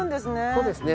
そうですね。